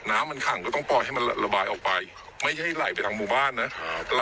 น้ำมันขังก็ต้องปล่อยให้มันระบายออกไปไม่ใช่ไหลไปทางหมู่บ้านนะครับ